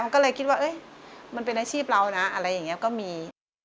ก็เลยคิดว่ามันเป็นอาชีพเรานะอะไรอย่างนี้ก็มี